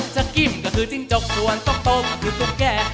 จักกิ่มก็คือจริงจกส่วนตกโตก็คือตกแก